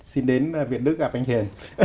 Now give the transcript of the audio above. xin đến việt đức gặp anh hiền